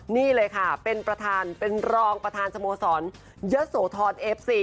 นี่เลยค่ะเป็นรองประธานสโมสรยศโทรนเอฟซี